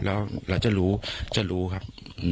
แล้วเราจะรู้ครับ